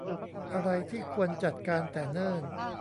อะไรที่ควรจัดการแต่เนิ่น